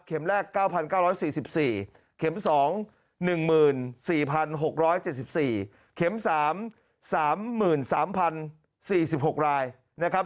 แรก๙๙๔๔เข็ม๒๑๔๖๗๔เข็ม๓๓๐๔๖รายนะครับ